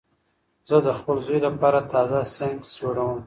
زه د خپل زوی لپاره تازه سنکس جوړوم.